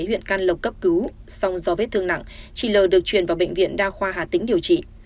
huyện can lộc cấp cứu xong do vết thương nặng chị l được chuyển vào bệnh viện đa khoa hà tĩnh điều trị